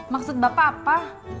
maksud bapak apa